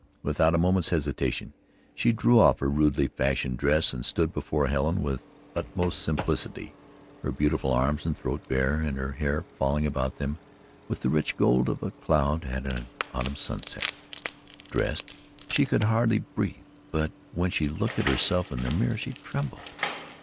Without a moment's hesitation she drew off her rudely fashioned dress and stood before Helen with the utmost simplicity her beautiful arms and throat bare and her hair falling about them with the rich gold of a cloud at an autumn sunset. Dressed, she could hardly breathe, but when she looked at herself in the mirror, she trembled.